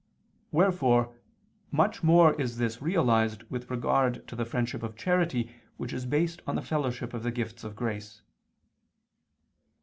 Wherefore much more is this realized with regard to the friendship of charity which is based on the fellowship of the gifts of grace.